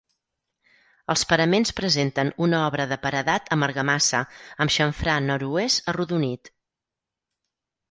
Els paraments presenten una obra de paredat amb argamassa, amb xamfrà nord-oest arrodonit.